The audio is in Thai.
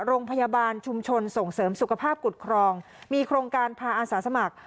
โรงพยาบาลชุมชนส่งเสริมสุขภาพกุฎครองมีโครงการพาอาสาสมัคร